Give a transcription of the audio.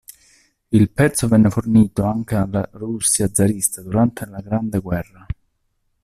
Il pezzo venne fornito anche alla Russia zarista durante la Grande Guerra.